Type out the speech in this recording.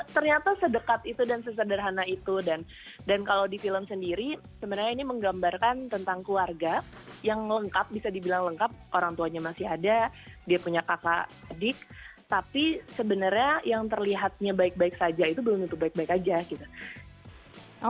ternyata sedekat itu dan sesederhana itu dan kalau di film sendiri sebenarnya ini menggambarkan tentang keluarga yang lengkap bisa dibilang lengkap orang tuanya masih ada dia punya kakak adik tapi sebenarnya yang terlihatnya baik baik saja itu belum tentu baik baik aja gitu